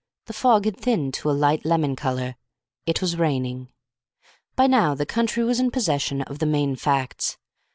The fog had thinned to a light lemon colour. It was raining. By now the country was in possession of the main facts.